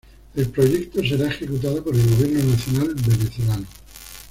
El proyecto será ejecutado por el Gobierno Nacional venezolano.